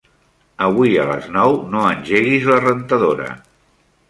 Avui a les nou no engeguis la rentadora.